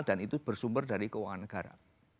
dan itu bersumber dari keuangan negara